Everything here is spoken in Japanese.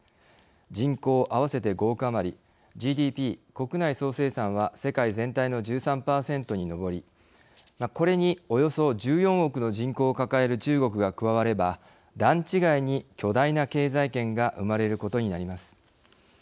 人口、合わせて５億余りＧＤＰ＝国内総生産は世界全体の１３％に上りこれに、およそ１４億の人口を抱える中国が加われば段違いに巨大な経済圏が生まれることになります。